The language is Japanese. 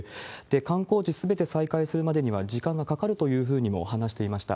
観光地すべて再開するまでには時間がかかるというふうにも話していました。